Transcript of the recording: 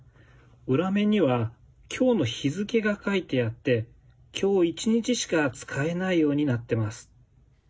裏面にはきょうの日付が書いてあって、きょう一日しか使えないようになっています。